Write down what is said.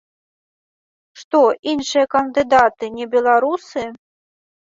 Што, іншыя кандыдаты не беларусы?